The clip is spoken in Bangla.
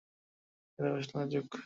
এরা বেশ লাজুক।